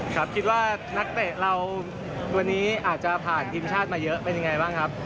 ครับคิดว่านักเตะเราวันนี้อาจจะผ่านทีมชาติมาเยอะเป็นยังไงบ้างครับ